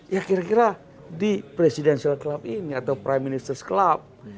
ya kira kira di presidential club ini atau prime minister club